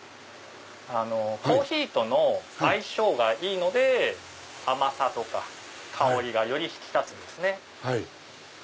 コーヒーとの相性がいいので甘さとか香りがより引き立つんですね。